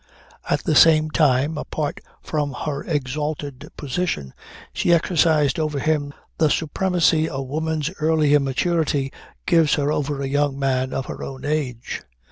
At the same time, apart from her exalted position, she exercised over him the supremacy a woman's earlier maturity gives her over a young man of her own age.